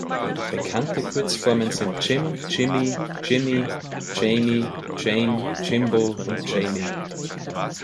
Bekannte Kurzformen sind "Jim", "Jimmy", "Jimmie", "Jamie", "Jaime", "Jimbo" und "Jamey".